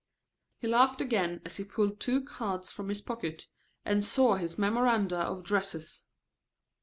He laughed again as he pulled two cards from his pocket and saw his memoranda of dresses.